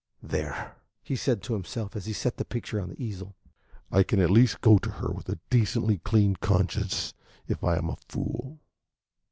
"There," he said to himself, as he set the picture on the easel, "I can at least go to her with a decently clean conscience, if I am a fool."